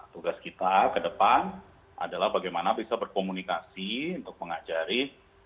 tugas kita ke depan adalah bagaimana bisa berkomunikasi untuk mengajari